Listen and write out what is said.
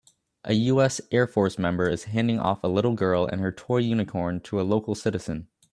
A US Airforce member is handing off a little girl and her toy unicorn to a local citizen